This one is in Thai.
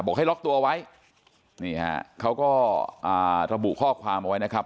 บอกให้ล็อกตัวไว้เขาก็ระบุข้อความไว้นะครับ